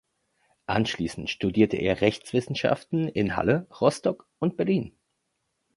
Anschließend studierte er Rechtswissenschaften in Halle, Rostock und Berlin.